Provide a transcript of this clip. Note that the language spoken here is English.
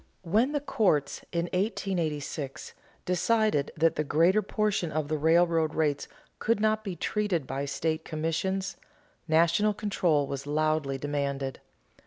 When the courts, in 1886, decided that the greater portion of the railroad rates could not be treated by state commissions, national control was loudly demanded.